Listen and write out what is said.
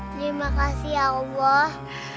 terima kasih allah